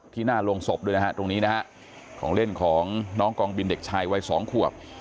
หน้าโรงศพด้วยนะฮะตรงนี้นะฮะของเล่นของน้องกองบินเด็กชายวัยสองขวบ